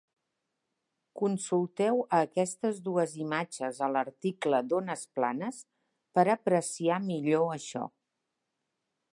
Consulteu a aquestes dues imatges a l'article d'ones planes per apreciar millor això.